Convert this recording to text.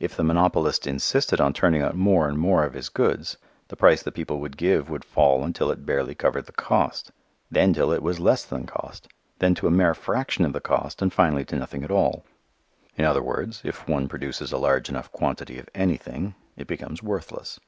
If the monopolist insisted on turning out more and more of his goods, the price that people would give would fall until it barely covered the cost, then till it was less than cost, then to a mere fraction of the cost and finally to nothing at all. In other words, if one produces a large enough quantity of anything it becomes worthless.